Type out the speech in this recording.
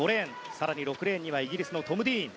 更に６レーンにはイギリス、トム・ディーン。